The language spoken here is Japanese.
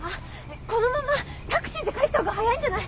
このままタクシーで帰ったほうが早いんじゃない？